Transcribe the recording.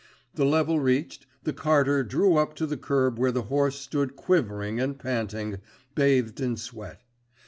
The level reached, the carter drew up to the curb where the horse stood quivering and panting, bathed in sweat.